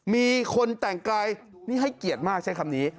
มีคนแต่งกายนี่ให้เกียรติมากใช้คำนี้